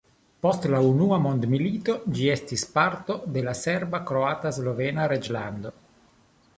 Post la unua mondmilito, ĝi estis parto de la Serba-Kroata-Slovena Reĝlando.